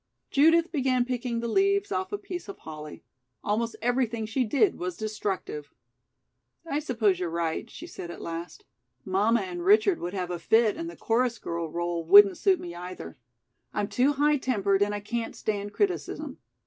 Judith began picking the leaves off a piece of holly. Almost everything she did was destructive. "I suppose you're right," she said at last. "Mamma and Richard would have a fit and the chorus girl rôle wouldn't suit me, either. I'm too high tempered and I can't stand criticism.